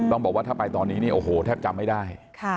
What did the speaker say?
บอกว่าถ้าไปตอนนี้เนี่ยโอ้โหแทบจำไม่ได้